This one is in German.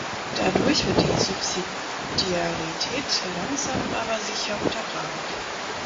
Dadurch wird die Subsidiarität langsam, aber sicher untergraben.